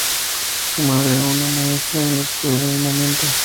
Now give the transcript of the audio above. Su madre era una maestra en la escuela en el momento.